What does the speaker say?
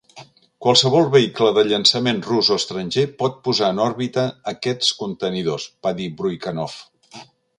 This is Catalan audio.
"Qualsevol vehicle de llançament rus o estranger pot posar en òrbita aquests contenidors", va dir Bryukhanov.